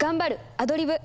アドリブ。